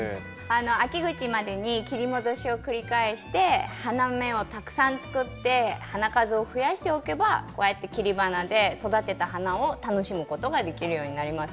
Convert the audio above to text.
秋口までに切り戻しを繰り返して花芽をたくさん作って花数を増やしておけばこうやって切り花で育てた花を楽しむことができるようになります。